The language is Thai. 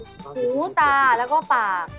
หูตาแล้วก็ปาก